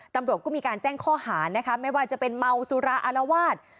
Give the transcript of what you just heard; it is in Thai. ตำรวจก็มีการแจ้งข้อหานะคะไม่ว่าจะเป็นเมาสุราอารวาส